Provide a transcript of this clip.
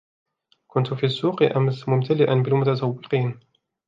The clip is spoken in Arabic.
كنت في السوق امس ممتلأ بالمتسويقين.